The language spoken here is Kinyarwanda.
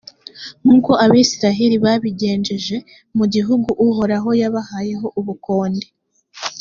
nk’uko abayisraheli babigenjeje mu gihugu uhoraho yabahayeho ubukonde.